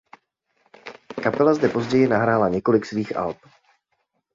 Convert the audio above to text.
Kapela zde později nahrála několik svých alb.